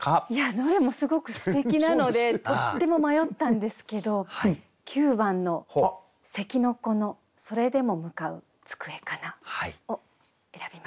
どれもすごくすてきなのでとっても迷ったんですけど９番の「咳の子のそれでも向ふ机かな」を選びました。